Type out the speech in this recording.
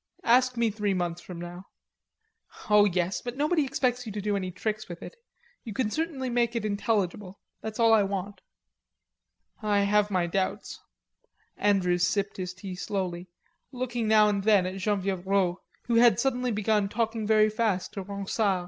Ask me three months from now." "Oh, yes; but nobody expects you to do any tricks with it. You can certainly make it intelligible. That's all I want." "I have my doubts." Andrews sipped his tea slowly, looking now and then at Genevieve Rod who had suddenly begun talking very fast to Ronsard.